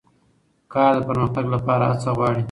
کار د پرمختګ لپاره هڅه غواړي